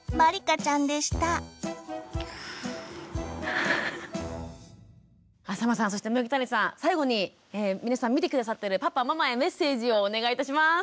思わず淺間さんそして麦谷さん最後に見て下さってるパパママへメッセージをお願いいたします。